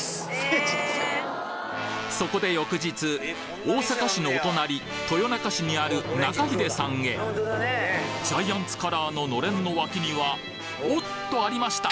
そこで翌日大阪市のお隣豊中市にある「中秀」さんへジャイアンツカラーの暖簾の脇にはおっとありました！